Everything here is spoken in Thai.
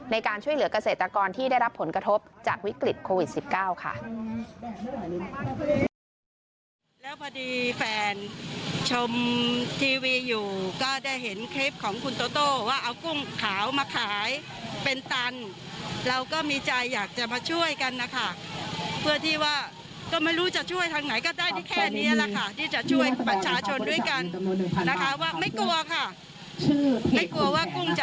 ในการช่วยเหลือกเกษตรกรที่ได้รับผลกระทบจากวิกฤตโควิด๑๙ค่ะ